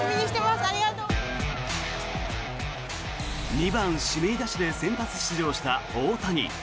２番指名打者で先発出場した大谷。